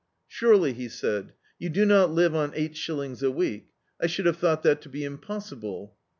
"Surely," he said, '^ou do not live on eight shillings a week. I should have diought that to be impossible."